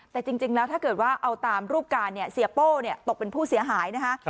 แต่จริงแล้วถ้าเกิดว่าเอาตามรูปการณ์เนี่ยเสียโป้ตกเป็นผู้เสียหายนะคะ